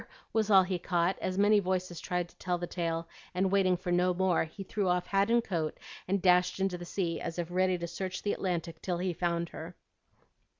was all he caught, as many voices tried to tell the tale; and waiting for no more, he threw off hat and coat, and dashed into the sea as if ready to search the Atlantic till he found her.